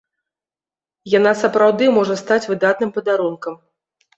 Яна сапраўды можа стаць выдатным падарункам.